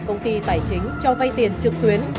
công ty tài chính cho vay tiền trực tuyến